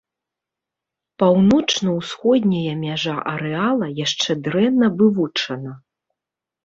Паўночна-ўсходняя мяжа арэала яшчэ дрэнна вывучана.